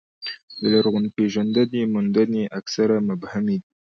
د لرغونپېژندنې موندنې اکثره مبهمې دي.